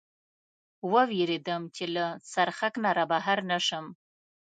و وېرېدم، چې له څرخک نه را بهر نه شم.